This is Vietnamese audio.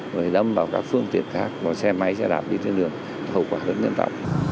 rồi đâm vào các phương tiện khác còn xe máy xe đạp đi trên đường hậu quả rất nguyên tọng